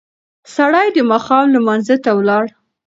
سړی د ماښام لمانځه ته ولاړ.